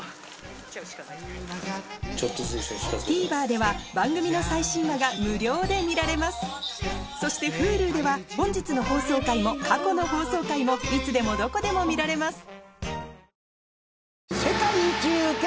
ＴＶｅｒでは番組の最新話が無料で見られますそしてＨｕｌｕでは本日の放送回も過去の放送回もいつでもどこでも見られます